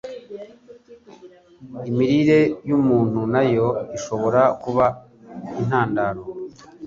Imirire y'umuntu nayo ishobora kuba intandaro